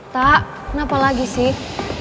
tak kenapa lagi sih